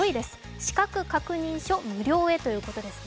資格確認書無料へということですね。